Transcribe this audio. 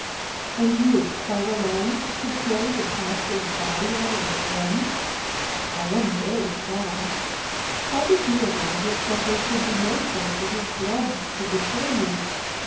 "And you, quite alone, could carry the pastor's body out of his room?" "I am very strong." "How did you arrange it that there should be no traces of blood to betray you?"